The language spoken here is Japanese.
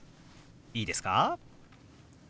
いいですか？